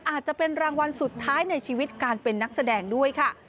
อาจจะเป็นรางวัลสุดท้ายในชีวิตการเป็นนักแสดงด้วยค่ะ